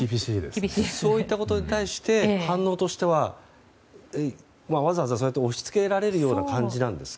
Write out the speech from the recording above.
そういったことに対して反応としてはわざわざ押し付けられるような感じなんですか？